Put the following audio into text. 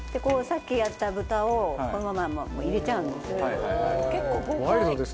さっきやった豚をこのまま入れちゃうんです。